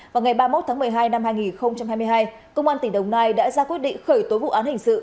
vào ngày ba mươi một tháng một mươi hai năm hai nghìn hai mươi hai công an tỉnh đồng nai đã ra quyết định khởi tố vụ án hình sự